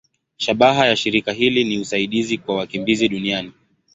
Shabaha ya shirika hili ni usaidizi kwa wakimbizi duniani.